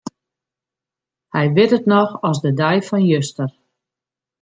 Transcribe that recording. Hy wit it noch as de dei fan juster.